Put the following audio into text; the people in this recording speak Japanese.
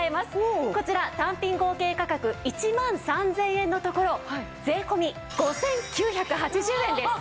こちら単品合計価格１万３０００円のところ税込５９８０円です。